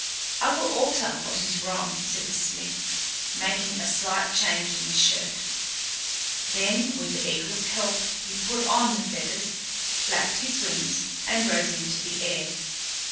"I will alter what is wrong," said the smith, making a slight change in the shirt. Then with Eigil's help he put on the feathers, flapped his wings and rose into the air.